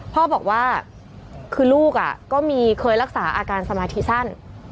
พ่อบอกว่าคือลูกก็มีเคยรักษาอาการสมาธิสั้น